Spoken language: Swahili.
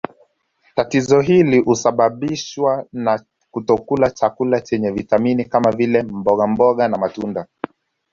Tatizo hili husababishwa na kutokula chakula chenye vitamini kama vile mbogamboga na matunda